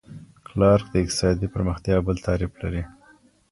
کلارک د اقتصادي پرمختیا بل تعریف لري.